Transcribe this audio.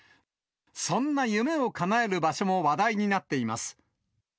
そんな夢をかなえる場所も話題になっています。